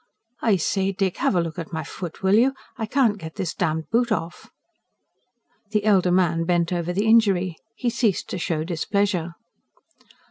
"I say, Dick, have a look at my foot, will you? I can't get this damned boot off." The elder man bent over the injury. He ceased to show displeasure.